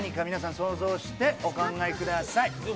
想像してお考えください。